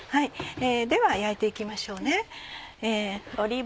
では焼いて行きましょうね。